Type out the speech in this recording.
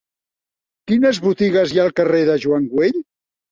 Quines botigues hi ha al carrer de Joan Güell?